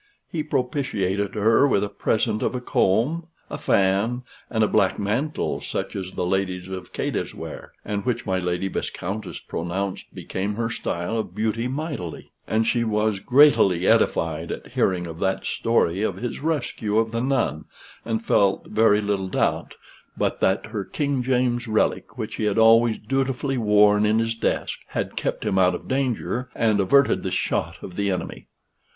He propitiated her with a present of a comb, a fan, and a black mantle, such as the ladies of Cadiz wear, and which my Lady Viscountess pronounced became her style of beauty mightily. And she was greatily edified at hearing of that story of his rescue of the nun, and felt very little doubt but that her King James's relic, which he had always dutifully worn in his desk, had kept him out of danger, and averted the shot of the enemy.